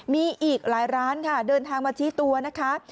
มีอีกหลายร้านค่ะเดินทางมาชี้ตัวนะคะ